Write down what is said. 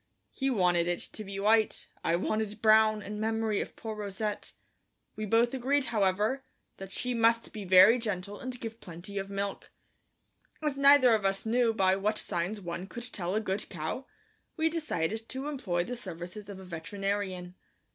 He wanted it to be white; I wanted brown in memory of poor Rousette. We both agreed, however, that she must be very gentle and give plenty of milk. As neither of us knew by what signs one could tell a good cow, we decided to employ the services of a veterinarian.